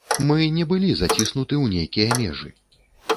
Мы не былі заціснуты ў нейкія межы.